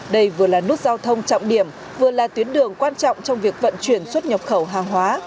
đây vừa là nút giao thông trọng điểm vừa là tuyến đường quan trọng trong việc vận chuyển xuất nhập khẩu hàng hóa